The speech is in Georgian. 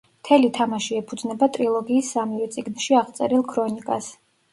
მთელი თამაში ეფუძნება ტრილოგიის სამივე წიგნში აღწერილ ქრონიკას.